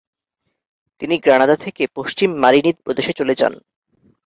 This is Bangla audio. তিনি গ্রানাদা থেকে পশ্চিমে মারিনিদ প্রদেশে চলে যান।